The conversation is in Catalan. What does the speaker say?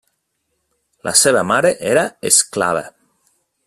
La seva mare era esclava.